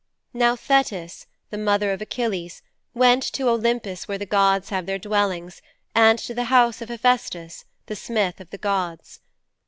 XVI Now Thetis, the mother of Achilles, went to Olympus where the gods have their dwellings and to the house of Hephaistos, the smith of the gods.